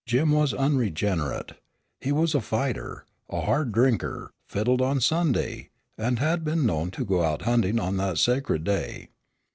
Jim was unregenerate. He was a fighter, a hard drinker, fiddled on Sunday, and had been known to go out hunting on that sacred day.